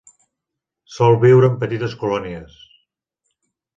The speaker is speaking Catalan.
Sol viure en petites colònies.